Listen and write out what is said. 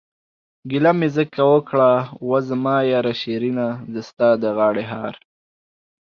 گيله مې ځکه اوکړه وا زما ياره شيرينه، زه ستا د غاړې هار...